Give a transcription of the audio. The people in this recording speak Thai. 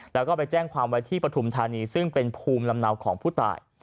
แล้วก็ไปแจ้งความไว้ที่ปฐุมธานีซึ่งเป็นภูมิลำเนาของผู้ตาย